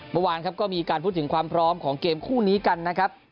เมื่อวานครับก็มีการพูดถึงความพร้อมของเกมคู่นี้กันนะครับ